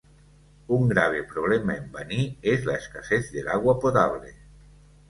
Un grave problema en Baní es la escasez del agua potable.